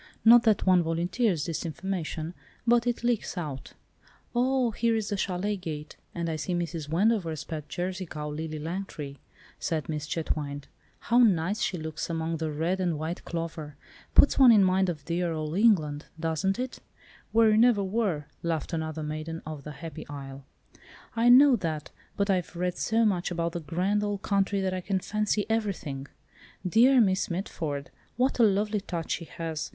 Not that one volunteers this information, but it leaks out." "Oh, here is the châlet gate, and I see Mrs. Wendover's pet Jersey cow, 'Lily Langtry,'" said Miss Chetwynde. "How nice she looks among the red and white clover. Puts one in mind of dear old England, doesn't it?" "Where you never were," laughed another maiden of the happy isle. "I know that, but I've read so much about the grand old country that I can fancy everything. Dear Miss Mitford! what a lovely touch she has!